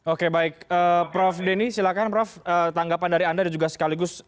oke prof denny silakan prof tanggapan dari anda juga sekaligus